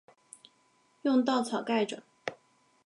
用稻草盖著